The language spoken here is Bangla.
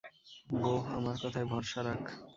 বোহ, আমার কথায় ভরসা রাখ।